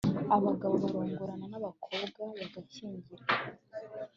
abagabo bararongoraga n abakobwa bagashyingirwa